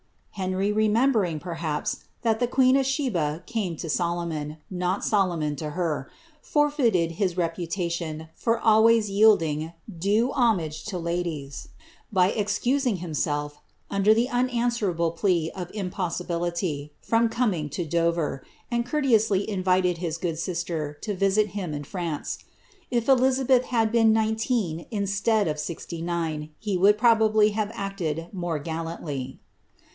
Henry remembering, perhaps, that ueen of Sheba came to Solomon, not Solomon to her, forfeited his ation for always yielding due homage to the ladies, by excusing sif, under the unanswerable plea of impossibility, from coming to r, and courteously invited his good sister to visit him in France, zabeth had been nineteen instead of sixty nine, he would probably acted more gallantly.